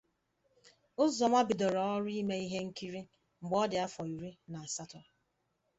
Uzoma bidoro ọrụ ime ihe nkiri mgbe ọ dị afọ iri na asatọ.